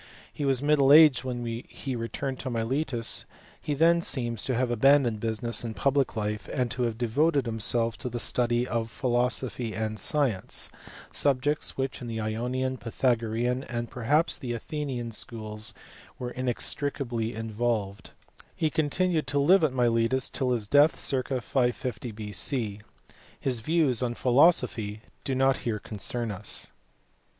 He was middle aged when he returned to Miletus ; he seems then to have abandoned business and public life, and to have devoted himself to the study of philosophy and science subjects which in the Ionian, Pythagorean, and perhaps also the Athenian schools, were inextricably involved : he continued to live at Miletus till his death circ. 550 B.C. His views on philosophy do not here concern us.